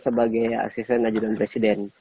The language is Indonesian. sebagai asisten najib dan presiden